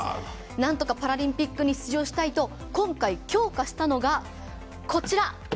なんとかパラリンピックに出場したいと今回、強化したのがこちら。